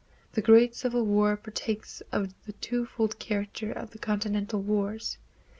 The Great Civil War partakes of the twofold character of the continental wars.